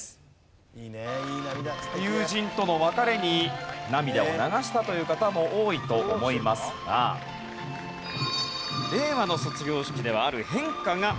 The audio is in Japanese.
友人との別れに涙を流したという方も多いと思いますが令和の卒業式ではある変化が起こっているんです。